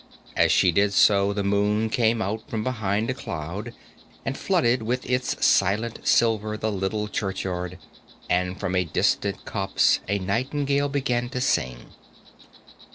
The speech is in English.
As she did so, the moon came out from behind a cloud, and flooded with its silent silver the little churchyard, and from a distant copse a nightingale began to sing.